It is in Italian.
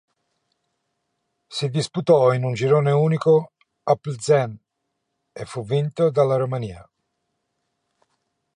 Si disputò in un girone unico a Plzeň e fu vinto dalla Romania.